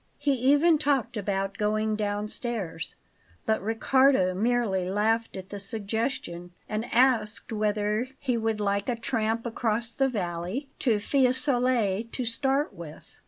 He even talked about going downstairs; but Riccardo merely laughed at the suggestion and asked whether he would like a tramp across the valley to Fiesole to start with.